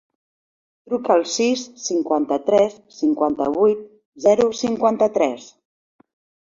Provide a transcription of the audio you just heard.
Truca al sis, cinquanta-tres, cinquanta-vuit, zero, cinquanta-tres.